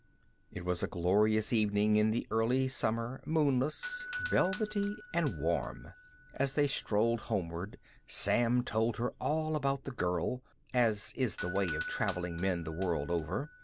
It was a glorious evening in the early summer, moonless, velvety, and warm. As they strolled homeward, Sam told her all about the Girl, as is the way of traveling men the world over.